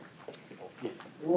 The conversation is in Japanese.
うわ。